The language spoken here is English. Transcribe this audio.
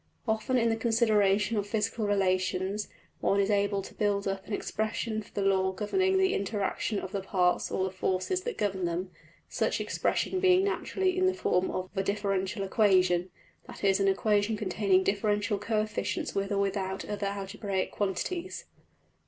Often in the consideration of physical relations one is able to build up an expression for the law governing the interaction of the parts or of the forces that govern them, such expression being naturally in the form of a \emph{differential equation}, that is an equation containing differential coefficients with or without other algebraic quantities.